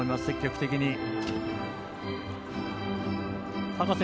積極的に。